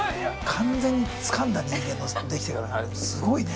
完全につかんだ人間のできてからの、あれすごいね。